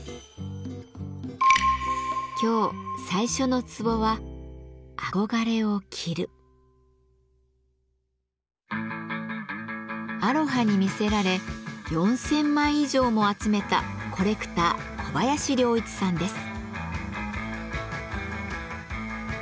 今日最初の壺はアロハに魅せられ４，０００枚以上も集めたコレクター小林亨一さんです。